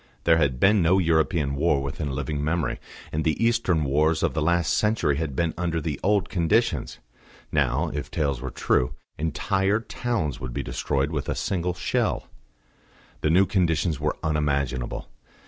There had been no European war within living memory, and the Eastern wars of the last century had been under the old conditions. Now, if tales were true, entire towns would be destroyed with a single shell. The new conditions were unimaginable.